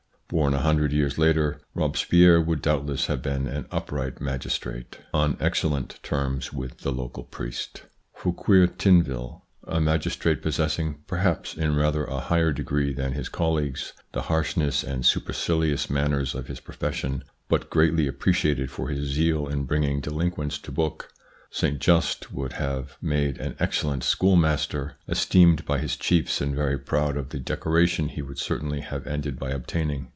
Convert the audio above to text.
Born a hundred years later, Robes pierre would doubtless have been an upright magis ITS INFLUENCE ON THEIR EVOLUTION 21 trate on excellent terms with the local priest ; Fouquier Tinville a magistrate possessing, perhaps in rather a higher degree than his colleagues, the harshness and supercilious manners of his profession, but greatly appreciated for his zeal in bringing delinquents to book ; Saint Just would have made an excellent schoolmaster, esteemed by his chiefs and very proud of the decoration he would certainly have ended by obtaining.